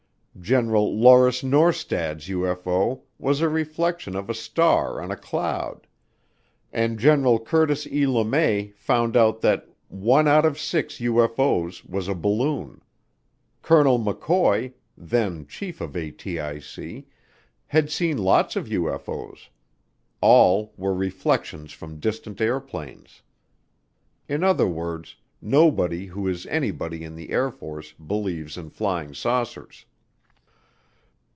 General Lauris Norstad's UFO was a reflection of a star on a cloud, and General Curtis E. Le May found out that one out of six UFO's was a balloon; Colonel McCoy, then chief of ATIC, had seen lots of UFO's. All were reflections from distant airplanes. In other words, nobody who is anybody in the Air Force believes in flying saucers.